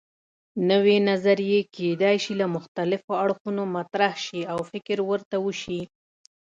نوې نظریې کیدای شي له مختلفو اړخونو مطرح شي او فکر ورته وشي.